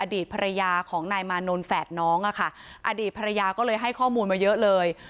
อดีตภรรยาของนายมานนท์แฝดน้องอะค่ะอดีตภรรยาก็เลยให้ข้อมูลมาเยอะเลย